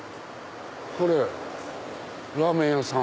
これラーメン屋さん。